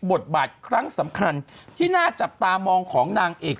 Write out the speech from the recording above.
บทบาทครั้งสำคัญที่น่าจับตามองของนางเอก